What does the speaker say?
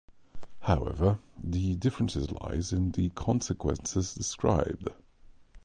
However, the difference lies in the consequences described.